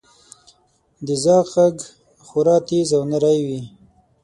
• د زاغ ږغ خورا تیز او نری وي.